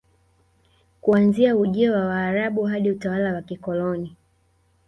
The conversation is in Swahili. Kuanzia ujio wa Waarabu hadi utawala wa kikoloni